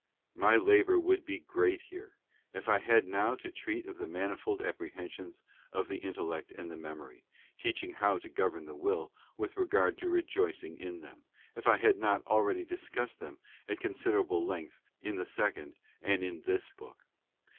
My labour would be great here if I had now to treat of the manifold apprehensions of the Intellect and the Memory, teaching how to govern the Will with regard to rejoicing in them, if I had not already discussed them at considerable length in the second and in this book.